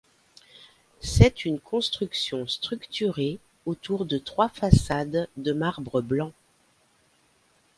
C'est une construction structurée autour de trois façades de marbre blanc.